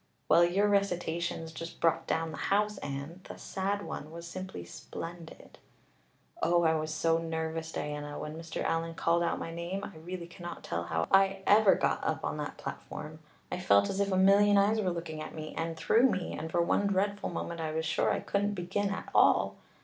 '" "Well, your recitations just brought down the house, Anne. That sad one was simply splendid." "Oh, I was so nervous, Diana. When Mr. Allan called out my name I really cannot tell how I ever got up on that platform. I felt as if a million eyes were looking at me and through me, and for one dreadful moment I was sure I couldn't begin at all.